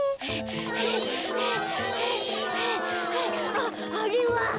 あっあれは！